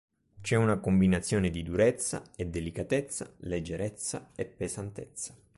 C'è una combinazione di durezza e delicatezza, leggerezza e pesantezza.